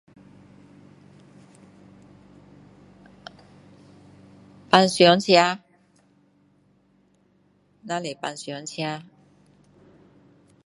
平常车只是平常车